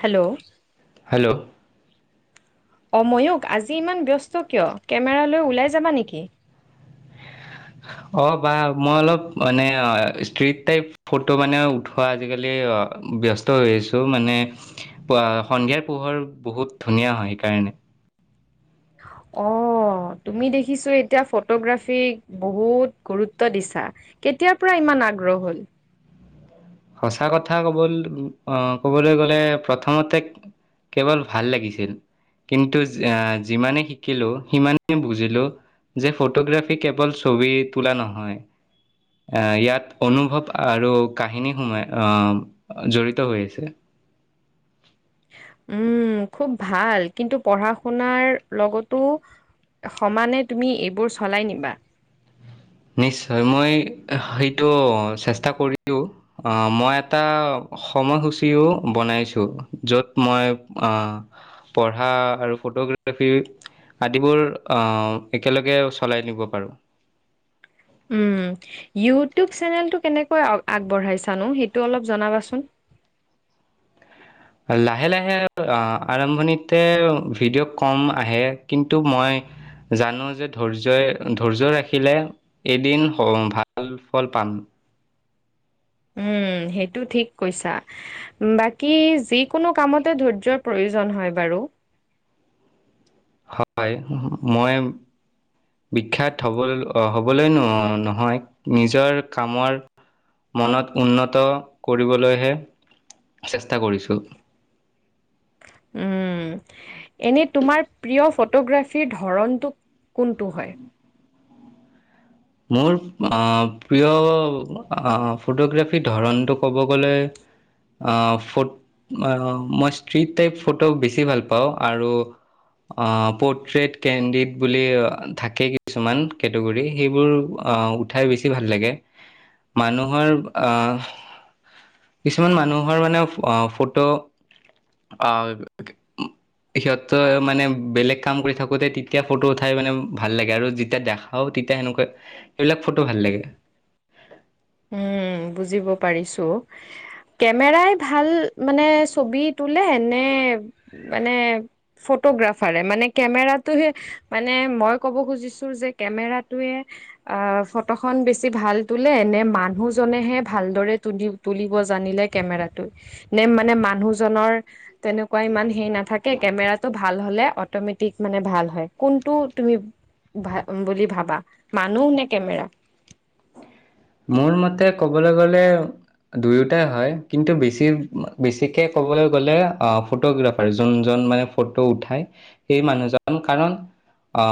Hello? Hello? অ ময়ূক আজি ইমান ব্যস্ত কিয়, কেমেৰা লৈ ওলাই যাবা নেকি? অ বা মই অলপ মানে আ ষ্ট্ৰীট টাইপ ফটো মানে উঠোৱা আজিকালি ব্যস্ত হৈ আছো মানে পুৱা সন্ধিয়াৰ পোহৰ বহুত ধুনীয়া হয় সেইকাৰণে। অ, তুমি দেখিছো এতিয়া ফটোগ্ৰাফিক বহুত গুৰুত্ব দিছা, কেতিয়াৰ পৰা ইমান আগ্ৰহ হল? সঁচা কথা কবল, আহ ক'বলৈ গ'লে প্ৰথমতে কেৱল ভাল লাগিছিল। কিন্তু যি আহ যিমানে শিকিলো সিমানেই বুজিলো যে ফটোগ্ৰাফী কেৱল ছবি তোলা নহয়। এহ ইয়াত অনুভৱ আৰু কাহিনী সোমাই আহ জড়িত হৈ আছে। উম খুব ভাল, কিন্তু পঢ়া-শুনাৰ লগতো সমানে তুমি এইবোৰ চলাই নিবা। নিশ্চয় মই সেইটো চেষ্টা কৰিলো। অঁহ মই এটা সময়সূচীও বনাইছো, য'ত মই আহ পঢ়া আৰু ফটোগ্ৰাফী আদিবোৰ একেলগে অহ চলাই নিব পাৰোঁ। উম ইউটিউব চেনেলটো কেনেকৈ আগবঢ়াইছানো সেইটো অলপ জনাবাচোন? লাহে লাহে অঁ আৰম্ভণিতে ভিডিঅ' কম আহে কিন্তু মই জানো যে ধৈৰ্যই ধৈৰ্য ৰাখিলে এদিন স ভাল ফল পাম। উম সেইটো ঠিক কৈছা। বাকী যিকোনো কামতে ধৈৰ্যৰ প্ৰয়োজন হয় বাৰু। হয় মই বিখ্যাত হ'ব হ'বলৈ নহয় নিজৰ কামৰ মনত উন্নত কৰিবলৈহে চেষ্টা কৰিছোঁ। উম। এনেই তোমাৰ প্ৰিয় ফটোগ্ৰাফীৰ ধৰণটো কোনটো হয়? মোৰ অঁ প্ৰিয় অহ ফটোগ্ৰাফীৰ ধৰণটো ক'ব গ'লে আহ ফট অঁ মই ষ্ট্ৰিট টাইপ ফটো বেছি ভাল পাওঁ আৰু অ পৰ্ট্ৰেট, কেণ্ডিত বুলি থাকে কিছুমান কেটেগৰী সেইবোৰ আহ উঠাই বেছি ভাল লাগে। মানুহৰ আহ কিছুমান মানুহৰ মানে অঁ ফটো আহ [inaudible] সিহঁতৰ মানে বেলেগ কাম কৰি থাকোঁতে তেতিয়া ফটো উঠাই মানে ভাল লাগে আৰু যেতিয়া দেখাও তি তে সেনেকুৱা সেইবিলাক ফটো ভাল লাগে। উম বুজিব পাৰিছোঁ। কেমেৰাই ভাল মানে ছবি তোলে নে মানে ফটোগ্ৰাফাৰে মানে কেমেৰাটো সে মানে মই ক'ব খুজিছো যে কেমেৰাটোৱে আ ফটোখন বেছি ভাল তুল নে মানুহজনেহে ভালদৰে তুলি তুলিব জানিলে কেমেৰাটো নে মানে মানুহজনৰ তেনেকুৱা ইমান হে নাথাকে কেমেৰাটো ভাল হলে অটমেটিক মানে ভাল হয়, কোনটো তুমি ভ বুলি ভাবা মানুহ নে কেমেৰা? মোৰ মতে ক'বলে গ'লে দুয়োটাই হয়, কিন্তু বেছি বেছিকে ক'বলৈ গ'লে অঁ ফটোগ্ৰাফাৰ যোনজন মানে ফটো উঠাই সেই মানুহজন, কাৰণ অ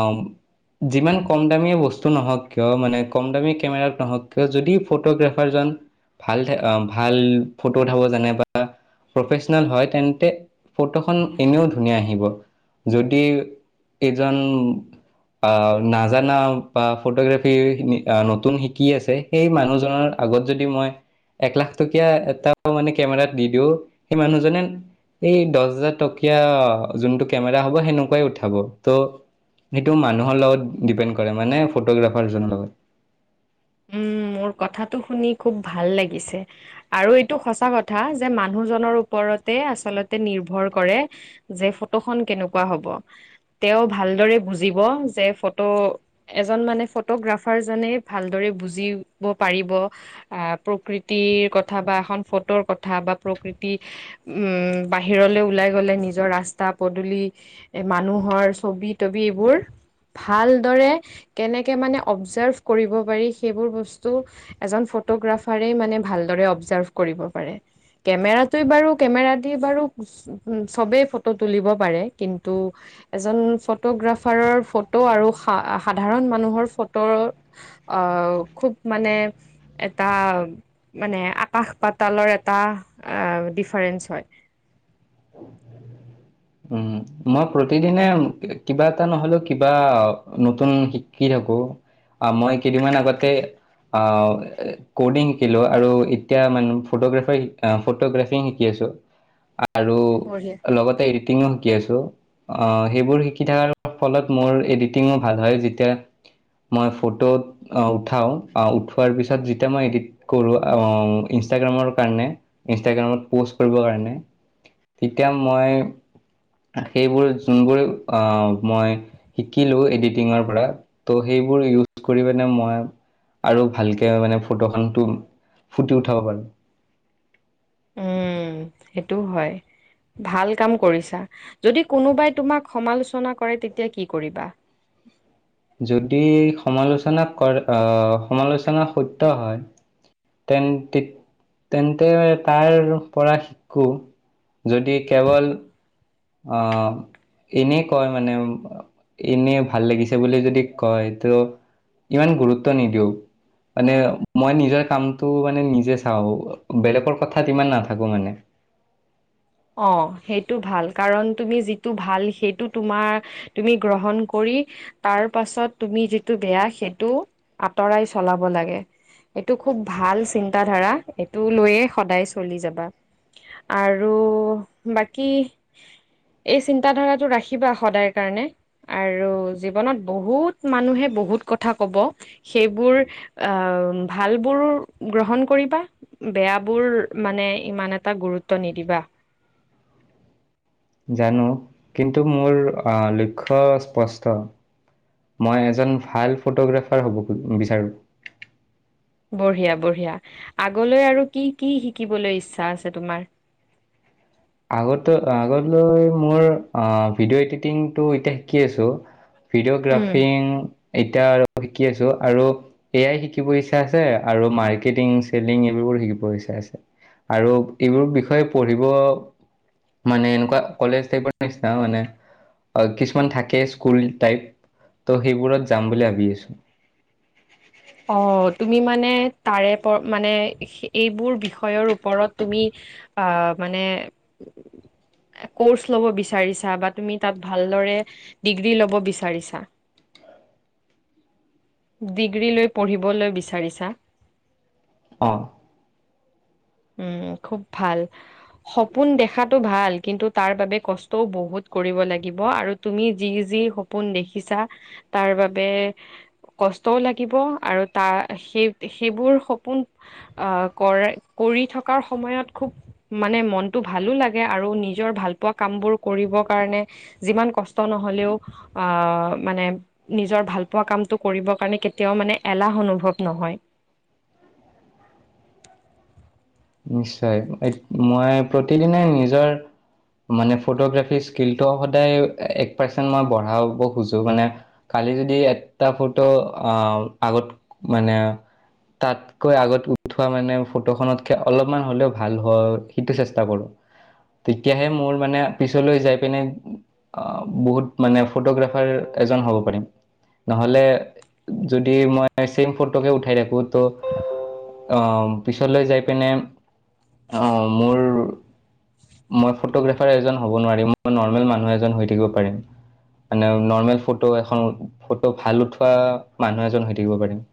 যিমান কম দামীয়ে বস্তু নহওক কিয় মানে কম দামী কেমেৰাত নহওক যদি ফটোগ্ৰাফাৰজন ভাল থা অঁ ভাল ফটো উঠাব জানে বা প্ৰফেচনেল হয় তেন্তে ফটোখন এনেও ধুনীয়া আহিব, যদি এজন অ নাজানা বা ফটোগ্ৰাফিৰ নতুন শিকি আছে সেই মানুহজনৰ আগত যদি মই এক লাখ টকীয়া এটা মানে কেমেৰাত দি দিওঁ, সেই মানুহজনে এই দহ হাজাৰ টকীয়া যোনটো কেমেৰা হ'ব সেনেকুৱাই উঠাব ত' সেইটো মানুহৰ লগত ডিপেণ্ড কৰে মানে ফটোগ্ৰাফাৰজনৰ লগত। উম, মোৰ কথাটো শুনি খুব ভাল লাগিছে। আৰু এইটো সঁচা কথা যে মানুহজনৰ ওপৰতে আচলতে নিৰ্ভৰ কৰে। যে ফটোখন কেনেকুৱা হ'ব, তেওঁ ভালদৰে বুজিব যে ফটো এজন মানে ফটোগ্ৰাফাৰ জনে ভালদৰে বুজিব পাৰিব। আহ, প্ৰকৃতিৰ কথা বা এখন ফটোৰ কথা বা প্ৰকৃতি উম, বাহিৰলৈ ওলাই গ'লে নিজৰ ৰাস্তা পদূলি। এ, মানুহৰ ছবি তবি এইবোৰ। ভালদৰে কেনেকে মানে অবজাৰ্ভ কৰিব পাৰি সেইবোৰ বস্তু এজন ফটোগ্ৰাফাৰে মানে ভালদৰে অবজাৰ্ভ কৰিব পাৰে। কেমেৰাটো বাৰু কেমেৰা দি বাৰু চবেই ফটো তুলিব পাৰে কিন্তু এজন ফটোগ্ৰাফাৰৰ ফটো আৰু সাধাৰণ মানুহৰ ফটো অ' খুব মানে এটা মানে আকাশ পাতালৰ এটা অ' ডিফাৰেন্ঞ্চ হয়। উম, মই প্ৰতিদিনে কিবা এটা নহ'লেও কিবা, নতুন শিকি থাকোঁ। অ' মই কেইদিনমান আগতে অ' ক'ডিং শিকিলোঁ আৰু এতিয়া মানু ফটোগ্ৰাফাৰ শিকা ফটোগ্ৰাফিং শিকি আছোঁ। আৰু বঢ়িয়া। লগতে এডিটিঙো শিকি আছোঁ। [unintelligible] সেইবোৰ শিকি থকাৰ ফলত মোৰ এডিটিঙো ভাল হয় যেতিয়া মই ফটোত উঠাও, উঠোৱাৰ পিছত যেতিয়া মই এডিট কৰোঁ ইনষ্টাগ্ৰামৰ কাৰণে ইনষ্টাগ্ৰামত পোষ্ট কৰিবৰ কাৰণে, তেতিয়া মই সেইবোৰ যোনবোৰে অ' মই শিকিলোঁ এডিটিঙৰ পৰা, ত' সেইবোৰ ইউজ কৰি পিনে মই আৰু ভালকে মানে ফটোখনটো ফুটি উঠাব পাৰোঁ। উম, সেইটোও হয়। ভাল কাম কৰিছা, যদি কোনোবাই তোমাক সমালোচনা কৰে তেতিয়া কি কৰিবা? যদি সমালোচনা কৰে আহ, সমালোচনা সত্য হয়। [unintelligible] তেন্তে তাৰ পৰা শিকোঁ, যদি কেৱল অ' এনে কয় মানে এনে ভাল লাগিছে বুলি যদি কয় ত' ইমান গুৰুত্ব নিদিওঁ। মানে মই নিজৰ কামটো মানে নিজে চাওঁ, বেলেগৰ কথাত ইমান নাথাকোঁ মানে। অ' সেইটো ভাল, কাৰণ তুমি যিটো ভাল সেইটো তোমাৰ তুমি গ্ৰহণ কৰি তাৰ পাছত তুমি যিটো বেয়া সেইটো, আঁতৰাই চলাব লাগে। এইটো খুব ভাল চিন্তা ধাৰা এইটো লৈয়ে সদায় চলি যাবা। আৰু বাকী এই চিন্তা ধাৰাটো ৰাখিবা সদায় কাৰণে। আৰু জীৱনত বহুত মানুহে বহুত কথা ক'ব। সেইবোৰ আহ, ভালবোৰ গ্ৰহণ কৰিবা। বেয়া বোৰ মানে ইমান এটা গুৰুত্ব নিদিবা। জানো কিন্তু মোৰ লক্ষ্য স্পষ্ট। মই এজন ভাল ফ'টোগ্ৰাফাৰ হ'ব বিচাৰোঁ। বঢ়িয়া, বঢ়িয়া আগলৈ আৰু কি কি শিকিবলৈ ইচ্ছা আছে তোমাৰ? আগতে, আগলৈ মোৰ ভিডিঅ' এডিটিংটো এতিয়া শিকি আছোঁ। ভিডিঅ' উম। গ্ৰাফিং এতিয়া আৰু শিকি আছোঁ আৰু এ আই শিকিব ইচ্ছা আছে আৰু মাৰ্কেটিং চেলিং এইবোৰ শিকিব ইচ্ছা আছে। আৰু এইবোৰ বিষয়ে পঢ়িব মানে এনেকুৱা কলেজ টাইপৰ নিচিনা মানে, কিছুমান থাকে স্কুল টাইপ। ত' সেইবোৰত যাম বুলি ভাবি আছোঁ। অ', তুমি মানে তাৰে মানে এইবোৰ বিষয়ৰ ওপৰত তুমি অ' মানে ক'ৰ্চ ল'ব বিচাৰিছা বা তুমি তাত ভালদৰে ডিগ্ৰী ল'ব বিচাৰিছা ডিগ্ৰী লৈ পঢ়িবলৈ বিচাৰিছা? অ'। উম, খুব ভাল। সপোন দেখাটো ভাল, কিন্তু তাৰ বাবে কষ্টও বহুত কৰিব লাগিব আৰু তুমি যি যি সপোন দেখিছা তাৰ বাবে কষ্টও লাগিব আৰু তাৰ সেই, সেইবোৰ সপোন আহ, কৰে কৰি থকাৰ সময়ত খুৱ মানে মনতটো ভালো লাগে আৰু নিজৰ ভাল পোৱা কাম বোৰ কৰিব কাৰণে যিমান কষ্ট নহলেও আহ, মানে নিজৰ ভাল পোৱা কামতটো কৰিবৰ কাৰণে কেতিয়াও মানে এলাহ অনুভৱ নহয়। নিশ্চয়, মই প্ৰতিদিনে নিজৰ মানে ফ'টোগ্ৰাফীৰ স্কিলটো সদায় এক পাৰ্চেণ্ট মই বঢ়াব খোজোঁ মানে কালি যদি এটা ফ'টো আগত মানে তাতকৈ আগত উঠোৱা মানে ফটোখনত অলপমান হ'লেও ভাল হয় সেইটো চেষ্টা কৰোঁ। তেতিয়াহে মোৰ মানে পিছলৈ যাই পিনে আ', বহুত মানে ফটোগ্ৰাফাৰ এজন হ'ব পাৰিম। নহ'লে যদি মই ছেম ফ'টোকে উঠাই থাকো ত' আহ, পিছলৈ যাই পিনে আহ মোৰ মই ফ'টোগ্ৰাফাৰ এজন হ'ব নোৱাৰিম মই নৰ্মেল মানুহ এজন হৈ থাকিব পাৰিম। মানে নৰ্মেল ফ'টো এখন ফটো ভাল উঠোৱা মানুহ এজন হৈ থাকিব পাৰিম।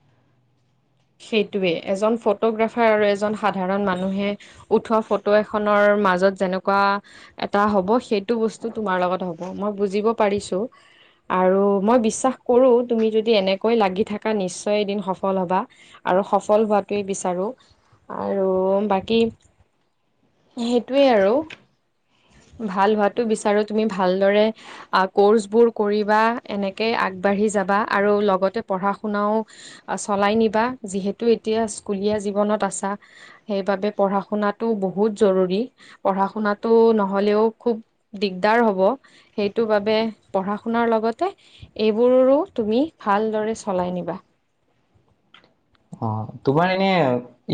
সেইটোৱে এজন ফ'টোগ্ৰাফাৰ আৰু এজন সাধাৰণ মানুহে উঠোৱা ফ'টো এখনৰ মাজত যেনেকুৱা এটা হ'ব সেইটো বস্তু তোমাৰ লগত হ'ব মই বুজিব পাৰিছোঁ। আৰু মই বিশ্বাস কৰোঁ, তুমি যদি এনেকৈ লাগি থাকা নিশ্চয় এদিন সফল হ'বা। আৰু সফল হোৱাটোৱেই বিচাৰোঁ আৰু বাকী সেইটোৱে আৰু ভাল হোৱাতটো বিচাৰো তুমি ভালদৰে কৰ্চ বোৰ কৰিবা এনেকে আগবাঢ়ি যাবা আৰু লগতে পঢ়া -শুনাও চলাই নিবা যিহেতু এতিয়া স্কুলীয়া জীৱনত আছা সেইবাবে পঢ়া শুনাাতটো বহুত জৰুৰী। পঢ়া-শুনাটো নহ'লেও খুব দিগদাৰ হ'ব। সেইটো বাবে পঢ়া-শুনাৰ লগতে এইবোৰৰো তুমি ভালদৰে চলাই নিবা। অ', তোমাৰ এনে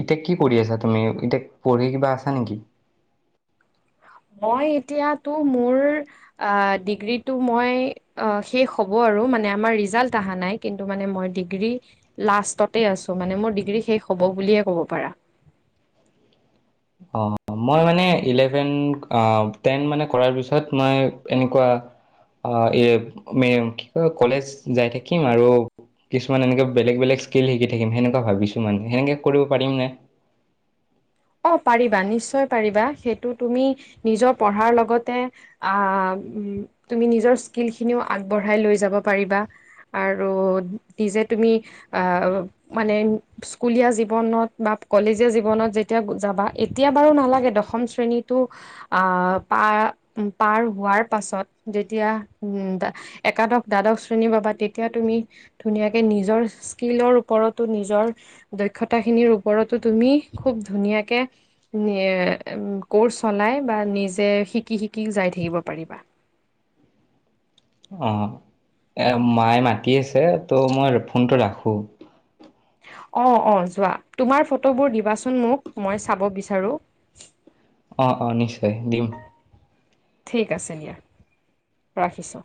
এতিয়া কি কৰি আছা তুমি, এতিয়া পঢ়ি কিবা আছা নেকি? মই এতিয়াতো মোৰ ডিগ্ৰীটো মই শেষ হ'ব আৰু মানে আমাৰ ৰিজাল্ট আহা নাই। কিন্তু মানে মই ডিগ্ৰী লাষ্টতে আছোঁ, মানে মোৰ ডিগ্ৰী শেষ হ'ব বুলিয়ে ক'ব পাৰা। অ', মই মানে ইলেভেন টেন মানে কৰাৰ পিছত মই এনেকুৱা অ', এ উ, কি কয় কলেজ যাই থাকিম আৰু কিছুমান এনেকৈ বেলেগ বেলেগ স্কিল শিকি থাকিম সনেকুৱা ভাবিছোঁ মানে, সেনেকে কৰিব পাৰিম নে? অ', পাৰিবা নিশ্চয় পাৰিবা, সেইটো তুমি নিজৰ পঢ়াৰ লগতে আ, তুমি নিজৰ স্কিল খিনিও আগবঢ়াই লৈ যাব পাৰিবা। আৰু নিজে তুমি মানে স্কুলীয়া জীৱনত বা কলেজীয়া জীৱনত যে তিয়া যাবা এতিয়া বাৰু নালাগে দশম শ্ৰেণীতো আহ পাৰ পাৰ হোৱাৰ পাছত যেতিয়া, উম একাদশ দ্বাদশ শ্ৰণী পাবা তেতিয়া তুমি ধুনীয়াকে নিজৰ স্কিলৰ ওপৰতো নিজৰ দক্ষতা খিনিৰ ওপৰতো তুমি খুব ধুনীয়াকে ক'ৰ্চ চলাই বা নিজে শিকি শিকি যাই থাকিবও পাৰিবা। অ', এই মায়ে মাতি আছে ত' মই ফোনটো ৰাখো। অ', অ', যোৱা তোমাৰ ফটোবোৰ দিবাচোন মোক মই চাব বিচাৰো। অ', অ', নিশ্চয় দিম। ঠিক আছে দিয়া ৰাখিছোঁ।